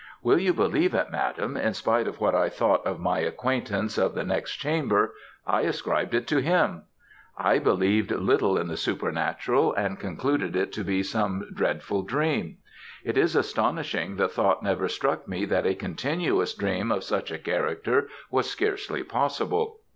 Will you believe it, Madam, in spite of what I thought of my acquaintance of the next chamber, I ascribed it to him. I believed little in the supernatural, and concluded it to be some dreadful dream. It is astonishing the thought never struck me that a continuous dream of such a character was scarcely possible.